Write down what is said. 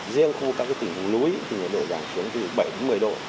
riêng khu các tỉnh hùng núi thì nhiệt độ giảm xuống từ bảy một mươi độ